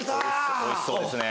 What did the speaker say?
おいしそうですね。